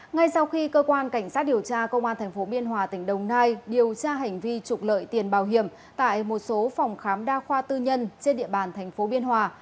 ngay sau khi cơ quan cảnh sát điều tra công an tp biên hòa tỉnh đồng nai điều tra hành vi trục lợi tiền bảo hiểm tại một số phòng khám đa khoa tư nhân trên địa bàn thành phố biên hòa